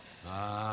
ああ。